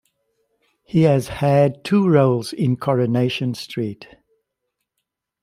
He has had two roles in "Coronation Street".